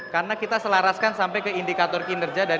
karena kita selaraskan sampai ke indikator kinerja dari provinsi